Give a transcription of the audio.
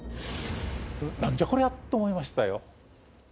何じゃこりゃと思いましたよ。